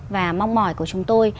và mong mỏi của chúng tôi